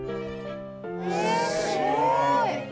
えすごい！